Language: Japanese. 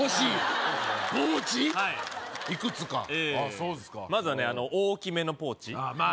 そうですかまずはねあの大きめのポーチああ